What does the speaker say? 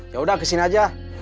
yaudah kesini aja